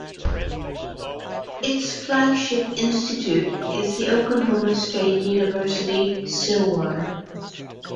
Its flagship institute is the Oklahoma State University-Stillwater.